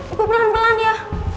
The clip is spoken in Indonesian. ibu beneran beneran ya